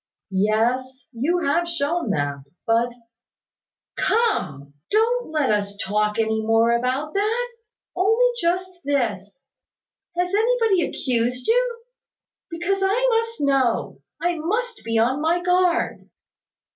"Yes! You have shown that. But " "Come! Don't let us talk any more about that only just this. Has anybody accused you? Because I must know, I must be on my guard."